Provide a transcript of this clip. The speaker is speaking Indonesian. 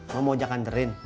mau mau ojek kanterin